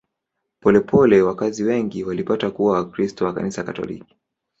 Polepole wakazi wengi walipata kuwa Wakristo wa Kanisa Katoliki.